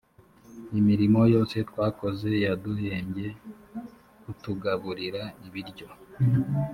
imirimo yose twakoze yaduhebye kutugaburira ibiryo